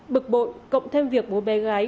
bực bội cộng thêm việc bố bé gái